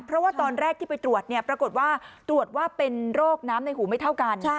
เพราะว่าตอนแรกที่ไปตรวจปรากฏว่าตรวจว่าเป็นโรคน้ำในหูไม่เท่ากัน